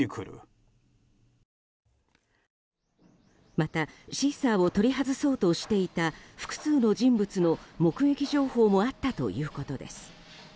また、シーサーを取り外そうとしていた複数の人物の目撃情報もあったということです。